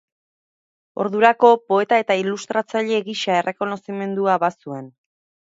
Ordurako poeta eta ilustratzaile gisa errekonozimendua bazuen.